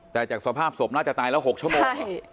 แต่จากสภาพศพน่าจะตายแล้ว๖ชั่วโมง